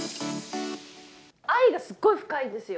愛がすっごい深いんですよ。